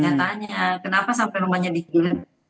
dia tanya kenapa sampai rumahnya digeledah